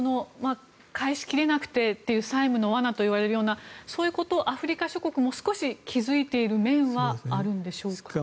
返しきれなくてという債務の罠といわれるようなそういうことをアフリカ諸国も少し気付いている面はあるんでしょうか？